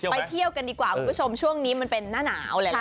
ไปเที่ยวกันดีกว่าคุณผู้ชมช่วงนี้มันเป็นหน้าหนาวแหละ